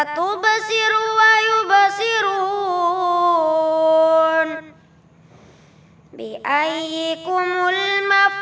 tuh tuh ya kan